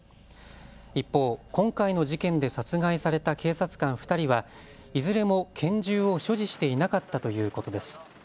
一方、今回の事件で殺害された警察官２人はいずれも拳銃を所持していなかったということです。